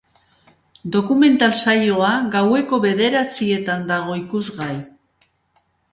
Dokumental saioa gaueko bederatzietan dago ikusgai.